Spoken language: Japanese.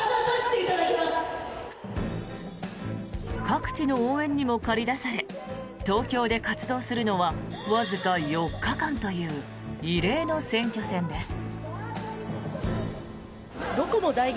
各地の応援にも駆り出され東京で活動するのはわずか４日間という異例の選挙戦です。